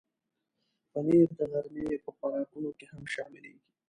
پنېر د غرمې په خوراکونو کې هم شاملېږي.